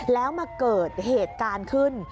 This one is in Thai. แล้วมาเกิดเหตุการณ์ขึ้น